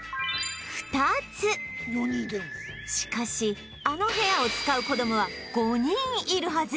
しかしあの部屋を使う子供は５人いるはず